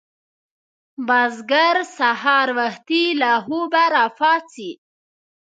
بزګر سهار وختي له خوبه راپاڅي